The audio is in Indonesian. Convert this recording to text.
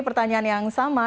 pertanyaan yang sama